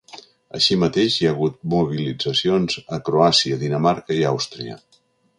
Així mateix, hi ha hagut mobilitzacions a Croàcia, Dinamarca i Àustria.